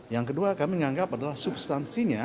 yang kedua kami menganggap adalah substansinya